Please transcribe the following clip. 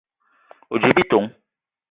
O: djip bitong.